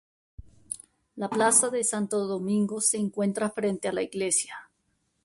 La Plaza de Santo Domingo se encuentra frente a la Iglesia.